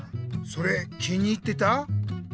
それ気に入ってた？